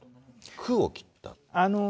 空を切った？